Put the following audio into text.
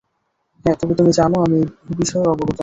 হ্যাঁ, তবে তুমি জানো আমি সেই বিষয়ে অবগত।